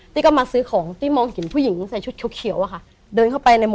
นี่ก็มาซื้อของที่มองหินผู้หญิงใส่ชุดเขียวอะค่ะ